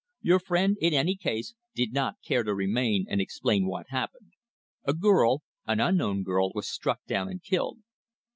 "Your friend, in any case, did not care to remain and explain what happened. A girl an unknown girl was struck down and killed."